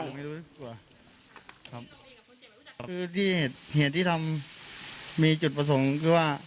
ครับคือที่เหตุเหตุที่ทำมีจุดประสงค์คือว่า